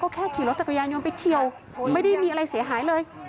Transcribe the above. แค่ขี่รถจักรยานยนต์ไปเฉียวไม่ได้มีอะไรเสียหายเลย